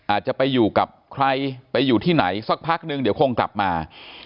อาจจะไปอยู่กับใครไปอยู่ที่ไหนสักพักนึงเดี๋ยวคงกลับมา